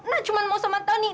nak cuma mau sama tony